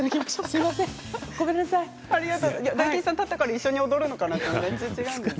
大吉さんが立ったから一緒に踊るのかなって。